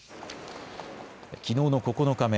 きのうの９日目。